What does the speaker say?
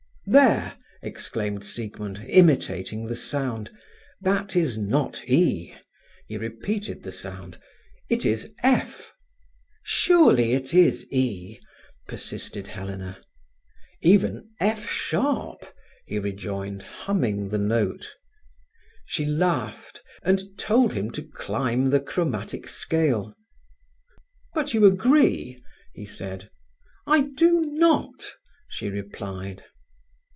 "There!" exclaimed Siegmund, imitating the sound. "That is not E." He repeated the sound. "It is F." "Surely it is E," persisted Helena. "Even F sharp," he rejoined, humming the note. She laughed, and told him to climb the chromatic scale. "But you agree?" he said. "I do not," she replied.